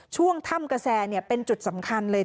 ช่วงถ้ำกระแสเป็นจุดสำคัญเลย